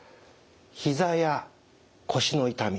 ひざや腰の痛み